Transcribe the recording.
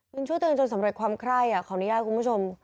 ยังช่วยตัวเองจนสำเร็จความไคร้ขออนุญาตคุณผู้ชม